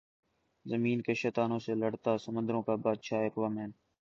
زمین کے شیطانوں سے لڑتا سمندروں کا بادشاہ ایکوامین